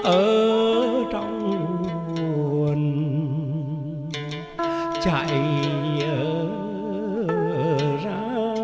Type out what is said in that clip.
ở trong buồn chạy ra